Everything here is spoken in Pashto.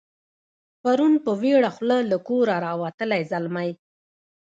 پرون په ویړه خوله له کوره راوتلی زلمی